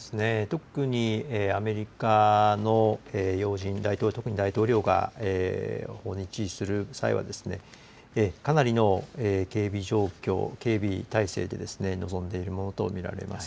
特にアメリカの要人、大統領、特に大統領が訪日する際は、かなりの警備状況、警備態勢で臨んでいるものと見られます。